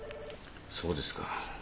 そうですか。